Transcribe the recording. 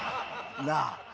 なあ。